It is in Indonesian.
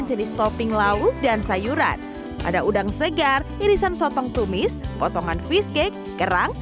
sembilan jenis topping lauk dan sayuran ada udang segar irisan sotong tumis potongan fish cake gerang